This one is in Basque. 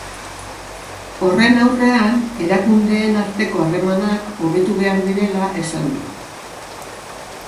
Horren aurrean, erakundeen arteko harremanak hobetu behar direla esan du.